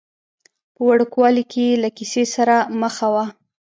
په وړوکوالي کې یې له کیسې سره مخه وه.